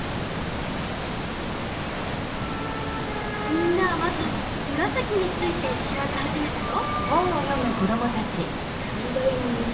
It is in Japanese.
みんなはまずムラサキについて調べ始めたよ。